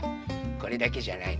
これだけじゃないの。